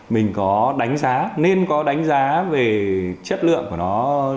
mình có đánh giá nên có đánh giá về chất lượng của nó